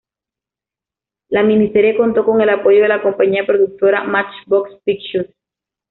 La miniserie contó con el apoyo de la compañía productora "Matchbox Pictures".